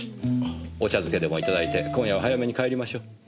お茶漬けでもいただいて今夜は早めに帰りましょう。